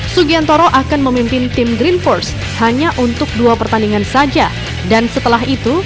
sugiantoro akan memimpin tim green force hanya untuk berusaha